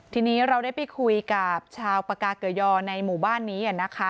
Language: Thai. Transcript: ทีนี้เราได้ไปคุยกับชาวปากาเกยอในหมู่บ้านนี้นะคะ